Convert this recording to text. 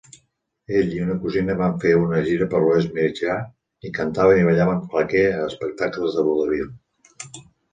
Ella i una cosina van fer una gira per l'Oest Mitjà i cantaven i ballaven claqué a espectacles de vodevil.